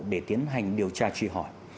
để tiến hành điều tra truy hỏi